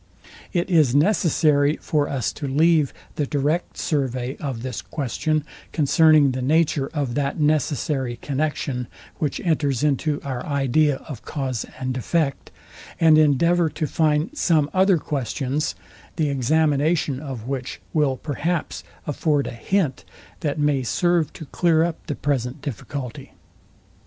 It is necessary for us to leave the direct survey of this question concerning the nature of that necessary connexion, which enters into our idea of cause and effect; and endeavour to find some other questions, the examination of which will perhaps afford a hint, that may serve to clear up the present difficulty.